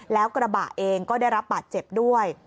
แล้วกระบะเองก็ได้รับบาดเจ็บด้วย